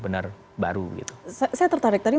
secara resmi yang perlu diungkapkan